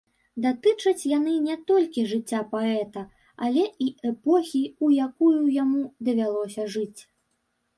Датычаць яны не толькі жыцця паэта, але і эпохі, у якую яму давялося жыць.